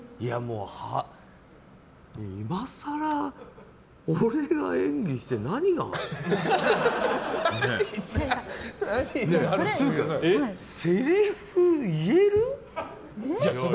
今更、俺が演技して何があるの？